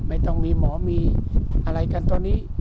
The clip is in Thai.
ไม่ต้องมีหมอมีอะไรกันตอนนี้